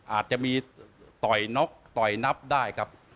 อาจจะมีต่อยน็อกต่อยนับได้ครับ